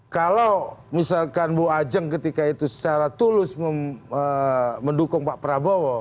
kalau misalkan bu ajeng ketika itu secara tulus mendukung pak prabowo